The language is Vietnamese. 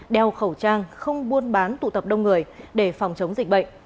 đeo khẩu trang không buôn bán tụ tập đông người để phòng chống dịch bệnh